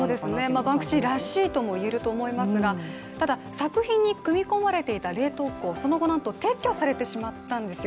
バンクシーらしいともいえると思いますがただ作品に組みこまれていた冷凍庫、その後なんと撤去されてしまったんですよ。